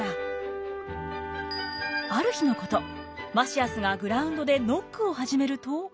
ある日のことマシアスがグラウンドでノックを始めると。